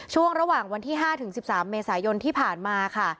ช่วงระหว่างวันที่๕ถึง๑๓เมษายนที่ผ่านมาค่ะ